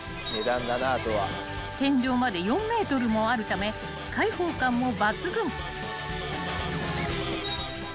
［天井まで４ｍもあるため開放感も抜群］